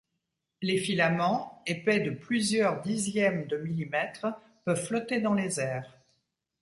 Les filaments, épais de plusieurs dixièmes de millimètre, peuvent flotter dans les airs.